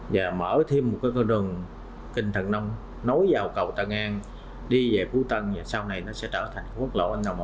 và mở thêm một cái con đường kinh thần nông nối vào cầu tân an đi về phú tân và sau này nó sẽ trở thành quốc lộ n một